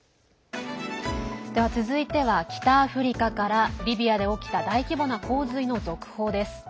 続いては北アフリカからリビアで起きた大規模な洪水の続報です。